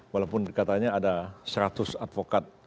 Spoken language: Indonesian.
walaupun katanya ada seratus advokat